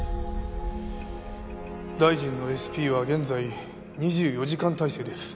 大臣のＳＰは現在２４時間体制です。